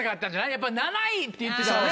やっぱ７位！って行ってたらね。